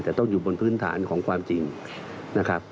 แต่ต้องอยู่บนพื้นฐานของความจริงนะครับ